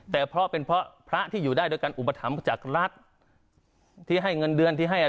แต่เพราะเป็นเพราะพระที่อยู่ได้โดยการอุปถัมภ์จากรัฐที่ให้เงินเดือนที่ให้